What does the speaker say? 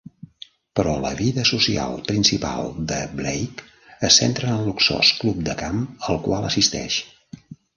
Però la vida social principal de Blake es centra en el luxós club de camp al qual assisteix.